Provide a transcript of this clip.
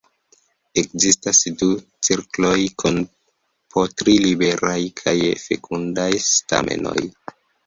Ekzistas du cirkloj kun po tri liberaj kaj fekundaj stamenoj.